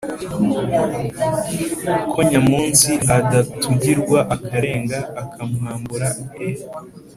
ko nya munsi adatugirwa akarenga akamwambura eee